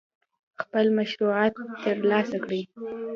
خپل مشروعیت ترلاسه کړي.